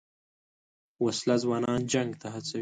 وسله ځوانان جنګ ته هڅوي